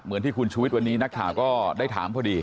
เหมือนที่คุณชุวิตวันนี้นักข่าก็ได้ถามพอดี